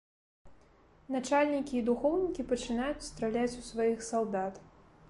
Начальнікі і духоўнікі пачынаюць страляць у сваіх салдат.